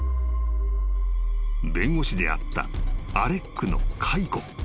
［弁護士であったアレックの解雇］